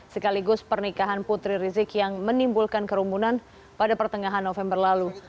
sekaligus pernikahan putri rizik yang menimbulkan kerumunan pada pertengahan november lalu